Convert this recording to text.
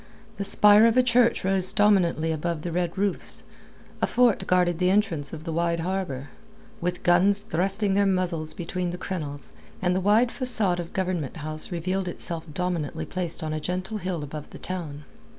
The spire of a church rose dominantly above the red roofs, a fort guarded the entrance of the wide harbour, with guns thrusting their muzzles between the crenels, and the wide facade of Government House revealed itself dominantly placed on a gentle hill above the town.